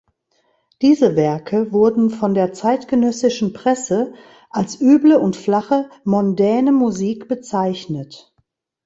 Diese Werke wurden von der zeitgenössischen Presse als „üble und flache, mondäne Musik“ bezeichnet.